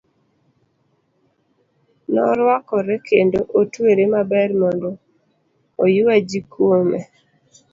Noruakore kendo otwere maber mondo oyua ji kuome.